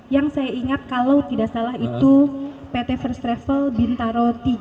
yang saya ingat kalau tidak salah itu pt first travel bintaro tiga